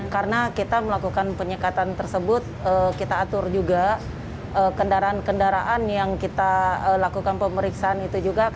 karena kita melakukan penyekatan tersebut kita atur juga kendaraan kendaraan yang kita lakukan pemeriksaan itu juga